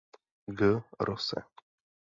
G. Rosse.